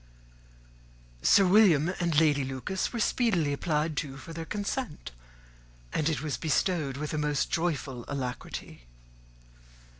Sir William and Lady Lucas were speedily applied to for their consent; and it was bestowed with a most joyful alacrity.